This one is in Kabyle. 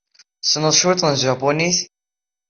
Tessneḍ cwiṭ n tjapunit.